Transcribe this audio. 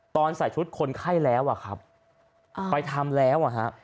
ตอนใส่ชุดคนไข้แล้วไปทำแล้ว